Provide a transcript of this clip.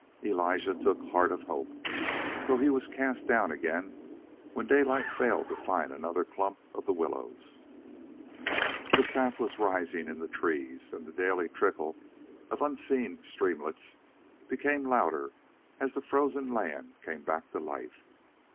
Elijah took heart of hope, though he was cast down again when Daylight failed to find another clump of willows. The sap was rising in the trees, and daily the trickle of unseen streamlets became louder as the frozen land came back to life.